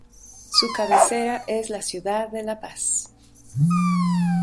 Su cabecera es la ciudad de La Paz.